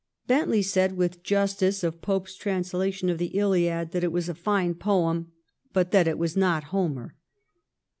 Bentley said with justice of Pope's translation of the * Hiad ' that it was a fine poem, but that it was not Homer.